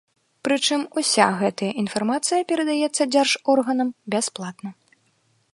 Прычым уся гэтая інфармацыя перадаецца дзяржорганам бясплатна.